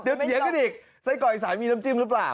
เดี๋ยวเถียงกันอีกไส้กรอกอีสานมีน้ำจิ้มหรือเปล่า